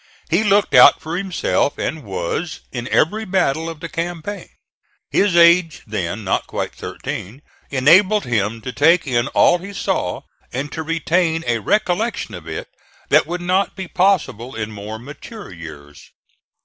He looked out for himself and was in every battle of the campaign. His age, then not quite thirteen, enabled him to take in all he saw, and to retain a recollection of it that would not be possible in more mature years.